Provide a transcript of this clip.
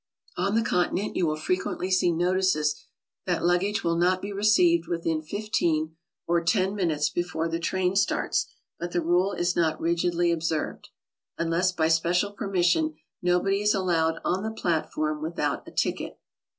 On the Continent you will frequently see notices that luggage will not be received with in 15 (or 10) minutes before the train starts, but the rule is not rigidly observed. Unless by special permission, nobody is allowed on the platform without a ticket.